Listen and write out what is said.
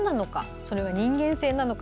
それが人間性なのか。